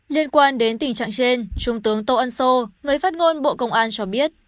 liên quan đến tình trạng trên trung tướng tô ân sô người phát ngôn bộ công an cho biết